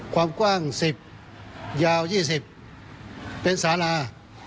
ความกว้าง๑๐ยาว๒๐เป็นสารา